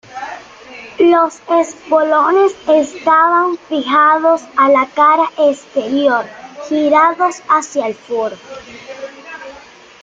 Los espolones estaban fijados a la cara exterior, girados hacia el Foro.